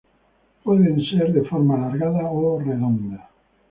Pueden ser de forma alargada o redonda.